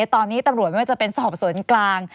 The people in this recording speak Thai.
ตอนนี้ตำรวจไม่ว่าจะเป็นสอบสวนกลาง